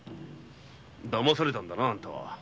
だまされたんだなあんたは。